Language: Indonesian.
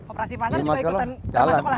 operasi pasar juga ikutan jalan